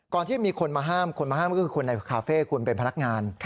ที่มีคนมาห้ามคนมาห้ามก็คือคนในคาเฟ่คุณเป็นพนักงาน